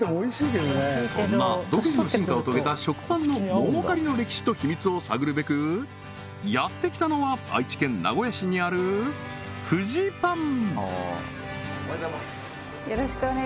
そんな独自の進化を遂げた食パンの儲かりの歴史と秘密を探るべくやってきたのは愛知県名古屋市にあるおはようございます！